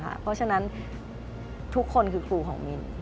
เพราะฉะนั้นทุกคนคือครูของมิน